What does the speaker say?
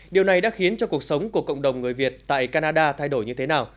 điều này đã khiến cho cuộc sống của cộng đồng người việt tại canada thay đổi như thế nào